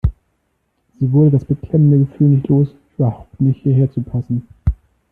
Sie wurde das beklemmende Gefühl nicht los, überhaupt nicht hierher zu passen.